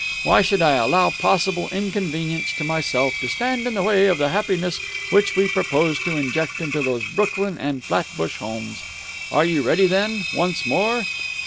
Why should I allow possible inconvenience to myself to stand in the way of the happiness which we propose to inject into those Brooklyn and Flatbush homes? Are you ready then, once more?